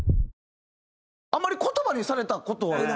あんまり言葉にされた事は。